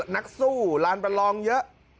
นักสู้ร้านพลองเยอะ